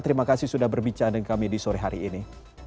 terima kasih sudah berbicara dengan kami di sore hari ini